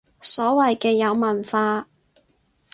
所謂嘅有文化